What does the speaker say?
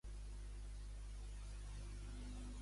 Per arribar al cim existeixen senderes.